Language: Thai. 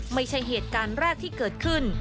ไม่ใช่เหตุการณ์แรกที่เกิดขึ้น